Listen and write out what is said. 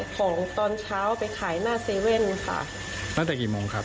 ของตอนเช้าไปขายหน้า๗ค่ะน่าแต่กี่โมงครับ